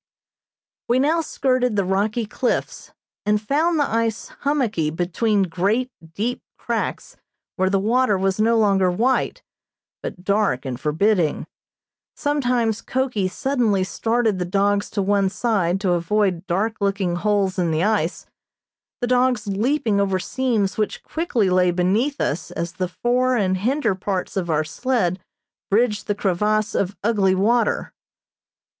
We now skirted the rocky cliffs, and found the ice hummocky between great, deep cracks where the water was no longer white, but dark and forbidding. Sometimes Koki suddenly started the dogs to one side to avoid dark looking holes in the ice, the dogs leaping over seams which quickly lay beneath us as the fore and hinder parts of our sled bridged the crevasse of ugly water.